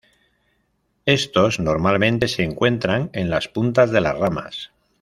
Estos normalmente se encuentran en las puntas de las ramas.